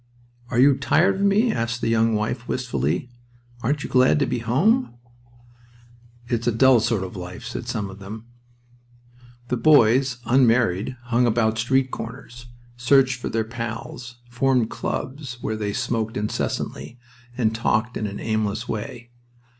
"Are you tired of me?" said the young wife, wistfully. "Aren't you glad to be home?" "It's a dull sort of life," said some of them. The boys, unmarried, hung about street corners, searched for their pals, formed clubs where they smoked incessantly, and talked in an aimless way.